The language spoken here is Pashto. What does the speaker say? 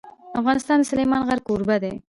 افغانستان د سلیمان غر کوربه دی.